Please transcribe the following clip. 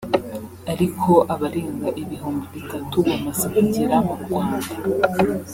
ariko abarenga ibihumbi bitatu bamaze kugera mu Rwanda